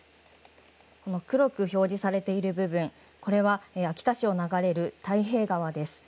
黒く表示されている部分、これは秋田市を流れる太平川です。